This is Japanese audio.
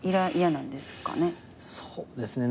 そうですね。